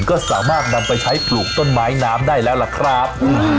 ก็สามารถนำไปใช้ปลูกต้นไม้น้ำได้แล้วล่ะครับ